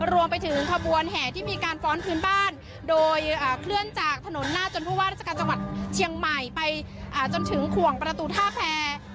รวมไปถึงขบวนแห่ที่มีการฟ้อนพื้นบ้านโดยเคลื่อนจากถนนหน้าจนผู้ว่าราชการจังหวัดเชียงใหม่ไปจนถึงขวงประตูท่าแพร